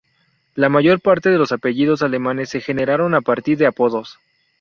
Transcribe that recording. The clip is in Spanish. La mayor parte de los apellidos alemanes se generaron a partir de apodos.